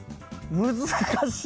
難しい！